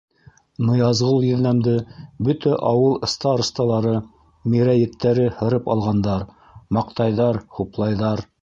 Ныязғол еҙнәмде бөтә ауыл старосталары, мирәйеттәре һырып алғандар, маҡтайҙар, хуплайҙар.